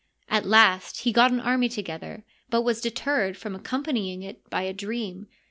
At last he got an army together, but was deterred from accompanying it by a dream.